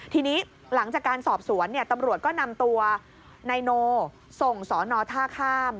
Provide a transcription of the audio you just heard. ทีนี้หลังจากการสอบสวนตำรวจก็นำตัวนายโนส่งสอนอท่าข้าม